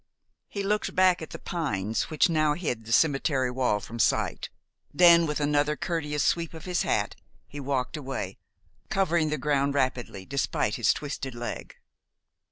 He looked back at the pines which now hid the cemetery wall from sight. Then, with another courteous sweep of his hat, he walked away, covering the ground rapidly despite his twisted leg.